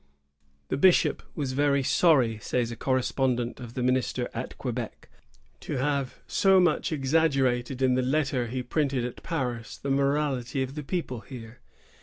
"^ "The bishop was very sorry," says a correspondent of the .minister at Quebec, "to have so much exag gerated in the letter he printed at Paris the morality of the people here."